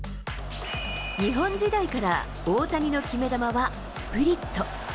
日本時代から大谷の決め球はスプリット。